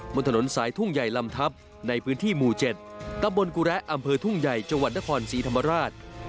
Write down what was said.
บนถนนสายทุ่งใหญ่ลำทับในพื้นที่หมู่๗ตำบลกุระอำเภอทุ่งใหญ่จังหวัดนครศรีธรรมราช